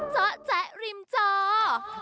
เจ้าแจ๊ะริมเจ้า